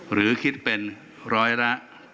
หรือคิดเป็นร้อยละ